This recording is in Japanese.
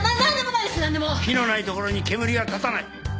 火のない所に煙は立たない。